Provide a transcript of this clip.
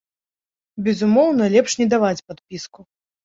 Безумоўна, лепш не даваць падпіску.